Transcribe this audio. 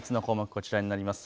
こちらになります。